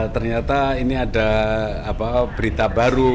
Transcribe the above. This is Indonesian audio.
ternyata ini ada berita baru